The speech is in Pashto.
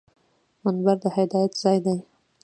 منبر د هدایت ځای دی